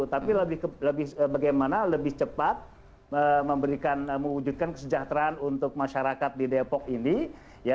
tapi bagaimana lebih cepat memberikan mewujudkan kesejahteraan untuk masyarakat di depok ini